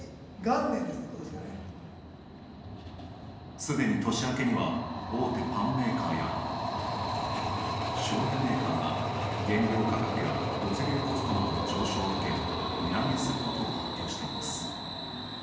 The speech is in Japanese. すでに年明けには、大手パンメーカーや、しょうゆメーカーが原料価格や物流コストの上昇などを受け値上げすることを発表しています。